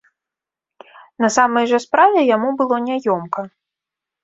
На самай жа справе яму было няёмка.